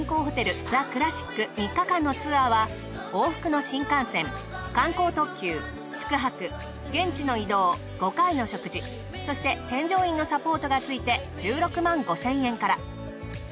ホテルザクラシック３日間のツアーは往復の新幹線観光特急宿泊現地の移動５回の食事そして添乗員のサポートがついて１６万５，０００円から。